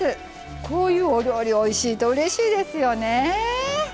こういうお料理、おいしいとうれしいですよね。